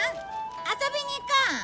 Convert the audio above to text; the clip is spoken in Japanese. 遊びに行こう！